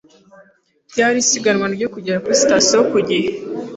Byari isiganwa ryo kugera kuri sitasiyo ku gihe.